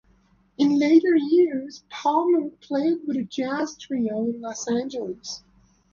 In later years, Palmer played with a jazz trio in Los Angeles.